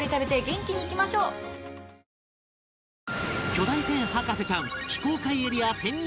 巨大船博士ちゃん非公開エリア潜入